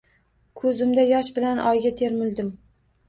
Kuzimda yosh bilan oyga termuldim